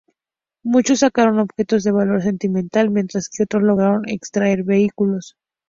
Muchos sacaron objetos de valor sentimental, mientras que otros lograron extraer vehículos.